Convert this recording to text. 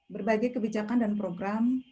berbagai kebijakan dan program tentunya tersedia